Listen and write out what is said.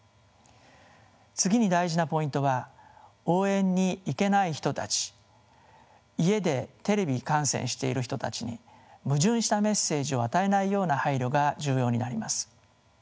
次に大事なポイントは応援に行けない人たち家でテレビ観戦している人たちに矛盾したメッセージを与えないような配慮が重要になります。